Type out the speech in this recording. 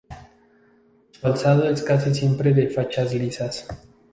Su alzado es casi siempre de fachadas lisas.